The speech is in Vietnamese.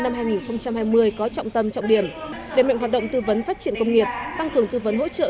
năm hai nghìn hai mươi có trọng tâm trọng điểm đề mệnh hoạt động tư vấn phát triển công nghiệp tăng cường tư vấn hỗ trợ